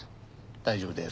大丈夫です。